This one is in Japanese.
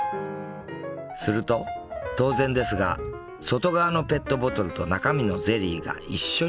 すると当然ですが外側のペットボトルと中身のゼリーが一緒に回転しています。